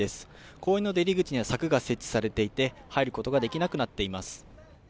公園の出入り口には柵が設置されていて入ることができなくなっています。